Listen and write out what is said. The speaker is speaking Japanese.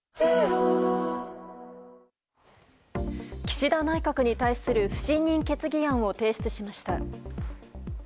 岸田内閣に対する不信任決議案を提出しました。